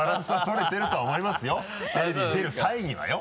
テレビに出る際にはよ？